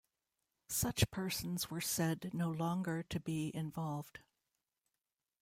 Such persons were said no longer to be involved.